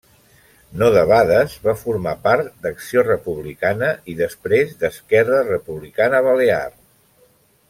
No debades va formar part d'Acció Republicana i després d'Esquerra Republicana Balear.